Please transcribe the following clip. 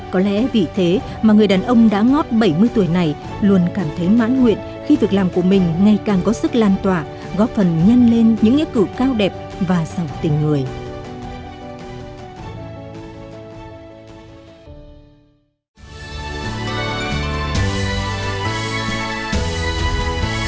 có lẽ vì thế mà người đàn ông đã ngót bảy mươi tuổi này luôn cảm thấy mãn nguyện khi việc làm của mình ngay càng có sức lan tỏa góp phần nhân lên những ý cử cao đẹp và sẵn tình người